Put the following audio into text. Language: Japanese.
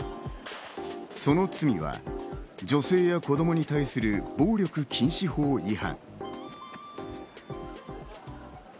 その罪は、女性や子供に対する暴力禁止法違反。